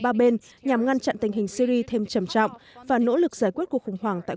ba bên nhằm ngăn chặn tình hình syri thêm trầm trọng và nỗ lực giải quyết cuộc khủng hoảng tại